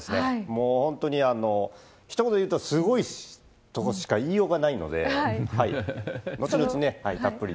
もう本当に、ひと言で言うとすごいとしか言いようがないので、のちのちね、たっぷり。